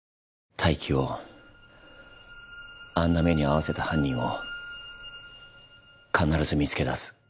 泰生をあんな目に遭わせた犯人を必ず見つけだす。